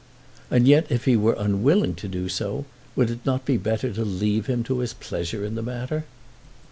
And yet, if he were unwilling to do so, would it not be better to leave him to his pleasure in the matter?